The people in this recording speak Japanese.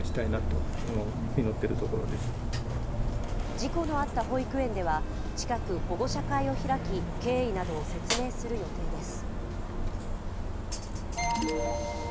事故のあった保育園では近く保護者会を開き経緯などを説明する予定です。